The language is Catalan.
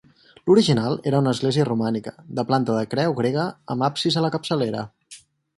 L'original era una església romànica, de planta de creu grega amb absis a la capçalera.